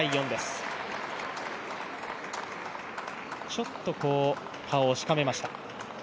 ちょっと顔をしかめました。